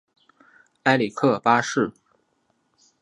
埃里克八世。